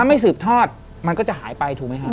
ถ้าไม่สืบทอดมันก็จะหายไปถูกมั้ยครับ